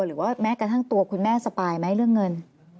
หรือว่าแม้กระทั่งตัวคุณแม่สปายไหมเรื่องเงิน